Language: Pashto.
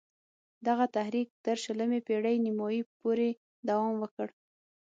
دغه تحریک تر شلمې پېړۍ نیمايی پوري دوام وکړ.